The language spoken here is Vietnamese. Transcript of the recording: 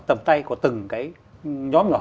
tầm tay của từng nhóm nhỏ